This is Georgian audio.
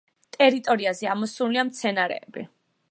ტერიტორიაზე ამოსულია მცენარეები.